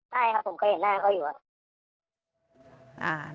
ใช่ครับผมก็เห็นหน้าเขาอยู่อะ